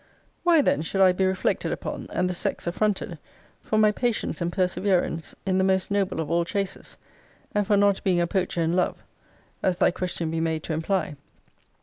Why then should I be reflected upon, and the sex affronted, for my patience and perseverance in the most noble of all chases; and for not being a poacher in love, as thy question be made to imply?